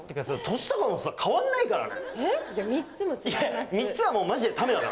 年とかもさ、変わんないからね。